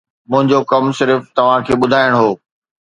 منهنجو ڪم صرف توهان کي ٻڌائڻ هو